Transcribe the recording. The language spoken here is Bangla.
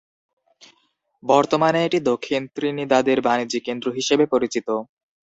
বর্তমানে এটি 'দক্ষিণ ত্রিনিদাদের বাণিজ্যিক কেন্দ্র' হিসেবে পরিচিত।